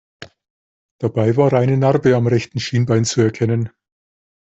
Dabei war eine Narbe am rechten Schienbein zu erkennen.